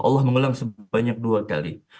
allah mengulang sebanyak dua kali